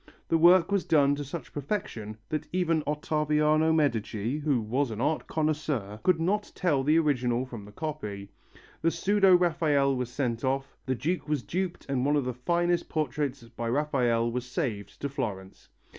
The work was done to such perfection that even Ottaviano Medici, who was an art connoisseur, could not tell the original from the copy: the pseudo Raphael was sent off, the Duke was duped and one of the finest portraits by Raphael was saved to Florence.